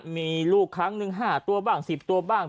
มีลูกครั้งหนึ่ง๕ตัวบ้าง๑๐ตัวบ้าง